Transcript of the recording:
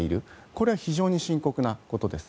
これは非常に深刻なことです。